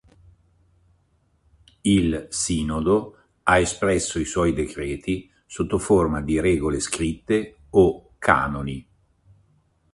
Il Sinodo ha espresso i suoi decreti, sotto forma di regole scritte o" 'canoni"'.